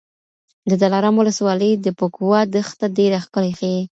د دلارام ولسوالي د بکواه دښته ډېره ښکلې ښیي.